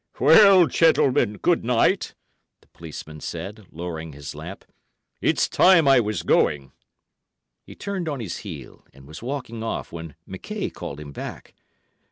"Well, gentlemen, good night," the policeman said, lowering his lamp, "it's time I was going." He turned on his heel, and was walking off, when McKaye called him back.